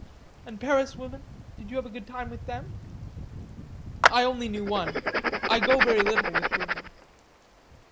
And Paris women, did you have a good time with them?" "I only knew one. I go very little with women."